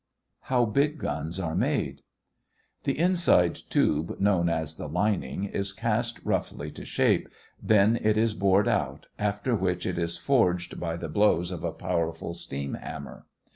HOW BIG GUNS ARE MADE The inside tube, known as the lining, is cast roughly to shape, then it is bored out, after which it is forged by the blows of a powerful steam hammer.